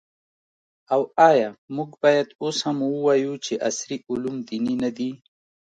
او آیا موږ باید اوس هم ووایو چې عصري علوم دیني نه دي؟